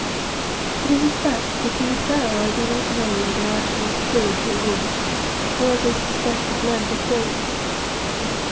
It is a fact that to this hour I do not know whether Ayesha is spirit or woman, or, as I suspect, a blend of both.